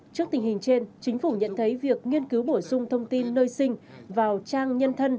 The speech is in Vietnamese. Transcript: trước tình hình trên chính phủ nhận thấy việc nghiên cứu bổ sung thông tin nơi sinh vào trang nhân thân